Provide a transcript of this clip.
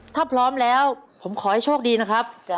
ถ้าพร้อมแล้วผมขอให้โชคดีนะครับ